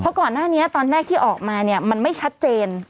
เพราะก่อนหน้านี้ตอนแรกที่ออกมาเนี่ยมันไม่ชัดเจน